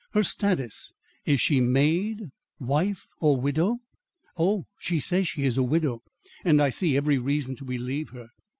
"Her status? Is she maid, wife or widow?" "Oh, she says she is a widow, and I see every reason to believe her."